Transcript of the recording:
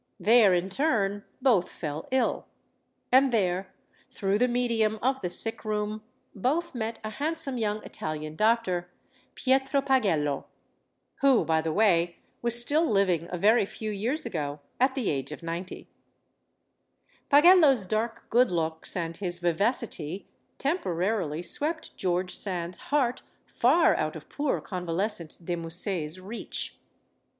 There, in turn, both fell ill. And there, through the medium of the sick room, both met a handsome young Italian doctor, Pietro Pagello. Who, by the way, was still living, a very few years ago, at the age of ninety. Pagello's dark good looks, and his vivacity tem porarily swept George Sand's heart far out of poor convalescent de Musset's reach.